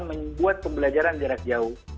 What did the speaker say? membuat pembelajaran jarak jauh